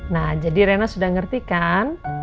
nah jadi rena sudah ngerti kan